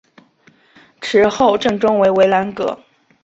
池后正中为文澜阁。